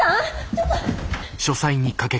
ちょっと。